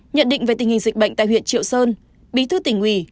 nhận định về tình hình dịch bệnh tại huyện triệu sơn bí thư tỉnh ủy